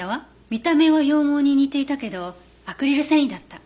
見た目は羊毛に似ていたけどアクリル繊維だった。